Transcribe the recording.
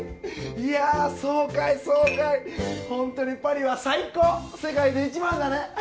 いやそうかいそうかいホントにパリは最高世界で一番だね